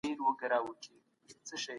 آيا ته د قصاص په حکم پوهېږې؟